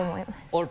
あれ？